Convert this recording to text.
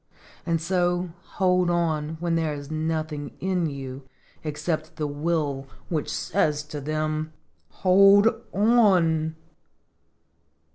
And so hold on when there is nothing in you Except the Will which says to them: 'Hold on!'